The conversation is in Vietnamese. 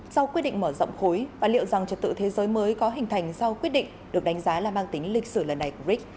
sau quyết định mở rộng khối và liệu rằng trật tự thế giới mới có hình thành sau quyết định được đánh giá là mang tính lịch sử lần này của bric